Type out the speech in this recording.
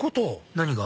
何が？